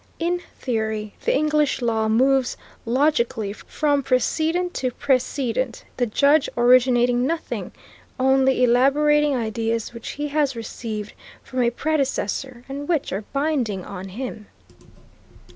In theory the English law moves logically from precedent to precedent, the judge originating nothing, only elaborating ideas which he has received from a predecessor, and which are binding on him.